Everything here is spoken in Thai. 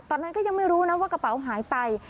ตอนนั้นก็ยังไม่รู้นะว่ากระเป๋าหายไป